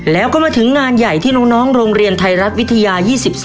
แล้วก็มาถึงงานใหญ่ที่น้องโรงเรียนไทยรัฐวิทยา๒๓